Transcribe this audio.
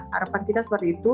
harapan kita seperti itu